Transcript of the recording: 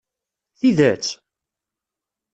Tidet?